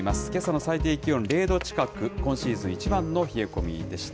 けさの最低気温０度近く、今シーズン一番の冷え込みでした。